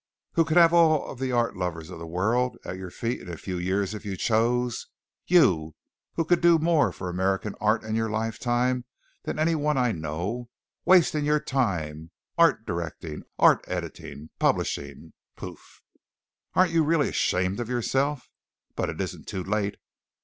You who could have all the art lovers of the world at your feet in a few years if you chose you who could do more for American art in your life time than anyone I know, wasting your time art directing, art editing publishing! Pouf! Aren't you really ashamed of yourself? But it isn't too late.